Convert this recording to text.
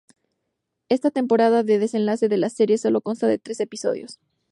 Esta temporada de desenlace de la serie, solo consta de tres episodios.